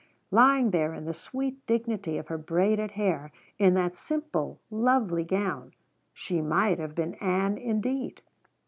Lying there in the sweet dignity of her braided hair, in that simple lovely gown, she might have been Ann indeed.